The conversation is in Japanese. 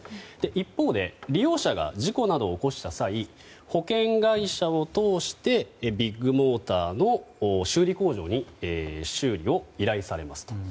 一方で、利用者が事故などを起こした際に保険会社を通してビッグモーターの修理工場に修理を依頼されます。